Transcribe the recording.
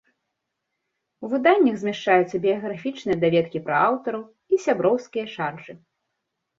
У выданнях змяшчаюцца біяграфічныя даведкі пра аўтараў і сяброўскія шаржы.